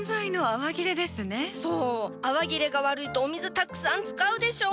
泡切れが悪いとお水たくさん使うでしょ！？